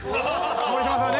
森島さんね。